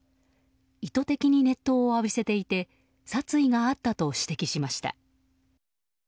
意図的に熱湯を浴びせていて殺意があったと指摘しました。